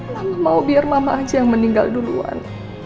lama mau biar mama aja yang meninggal duluan